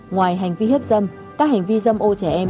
ngoài hành vi hiếp dâm các hành vi dâm ô trẻ em